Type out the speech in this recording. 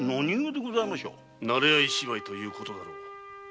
なれ合い芝居ということだろう。